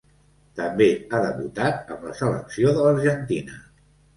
També ha debutat amb la selecció de l'argentina.